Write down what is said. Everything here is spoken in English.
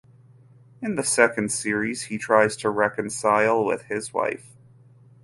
In the second series he tries to reconcile with his wife.